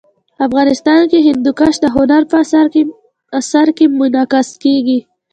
افغانستان کې هندوکش د هنر په اثار کې منعکس کېږي.